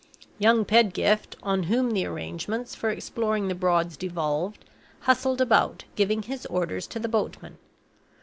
Young Pedgift, on whom the arrangements for exploring the Broads devolved, hustled about, giving his orders to the boatman.